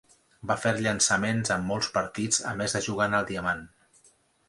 Va fer llançaments en molts partits a més de jugar en el diamant.